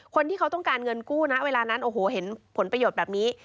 คนที่เขาต้องการเงินกู้นะเวลานั้นโอ้โหเห็นผลประโยชน์แบบนี้